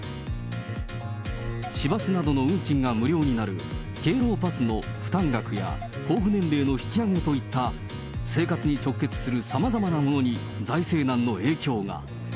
市バスなどの運賃が無料になる敬老パスの負担額や交付年齢の引き上げといった生活に直結するさまざまなものに、財政難の影響が。